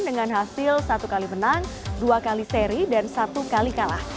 dengan hasil satu kali menang dua kali seri dan satu kali kalah